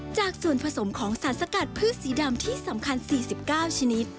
จากส่วนผสมของสารสกัดพืชสีดำที่สำคัญ๔๙ชนิด